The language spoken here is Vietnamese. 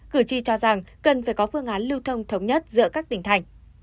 cử tri cho rằng cần phải có phương án lưu thông thống nhất giữa các tỉnh thành